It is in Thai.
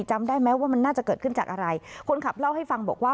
จำได้ไหมว่ามันน่าจะเกิดขึ้นจากอะไรคนขับเล่าให้ฟังบอกว่า